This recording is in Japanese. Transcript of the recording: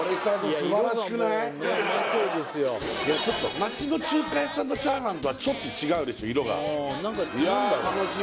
町の中華屋さんのチャーハンとはちょっと違うでしょ色がいやー楽しみ